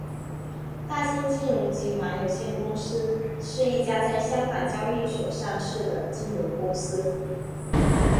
大新金融集团有限公司是一家在香港交易所上市的金融公司。